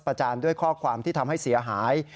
จานด้วยข้อความที่ทำให้เสียหาย